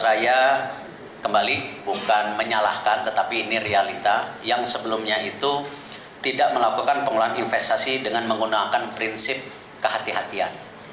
saya kembali bukan menyalahkan tetapi ini realita yang sebelumnya itu tidak melakukan pengelolaan investasi dengan menggunakan prinsip kehatian